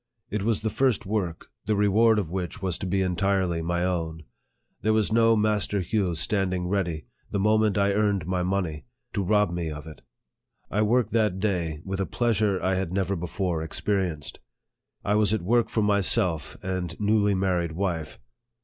It was the first work, the reward of which was to be entirely my own. There was no Master Hugh staid ing ready, the moment I earned the money, to rob me of it. I worked that day with a pleasure I had never before experienced. I was at work for myself and newly married wife.